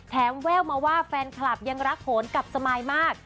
แววมาว่าแฟนคลับยังรักโหนกับสมายมาก